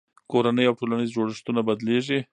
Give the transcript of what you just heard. کورنۍ او ټولنیز جوړښتونه بدلېږي.